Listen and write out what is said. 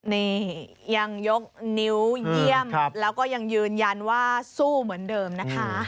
นี่ยังยกนิ้วเยี่ยมแล้วก็ยังยืนยันว่าสู้เหมือนเดิมนะคะ